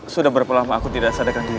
sudah berapa lama aku tidak sadarkan diri